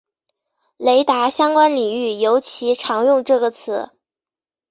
雷达相关领域尤其常用这个词。